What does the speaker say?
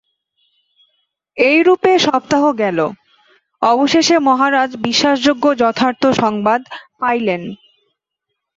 এইরূপে সপ্তাহ গেল, অবশেষে মহারাজ বিশ্বাসযোগ্য যথার্থ সংবাদ পাইলেন।